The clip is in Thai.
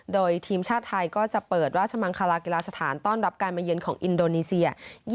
โดยทีมชาติไทยก็จะเปิดราชมังคลากีฬาสถานต้อนรับการมาเยือนของอินโดนีเซีย